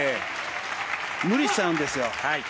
無理しちゃうんですよ。